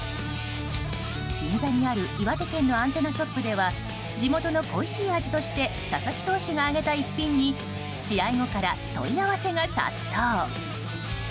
銀座にある岩手県のアンテナショップでは地元の恋しい味として佐々木投手が挙げた一品に試合後から問い合わせが殺到。